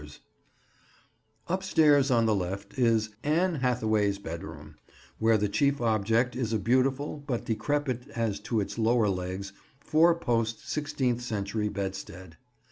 [Picture: Anne Hathaway's Bedroom] Upstairs, on the left, is "Anne Hathaway's bedroom," where the chief object is a beautiful, but decrepit as to its lower legs, four post sixteenth century bedstead.